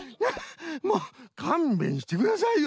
もうかんべんしてくださいよ。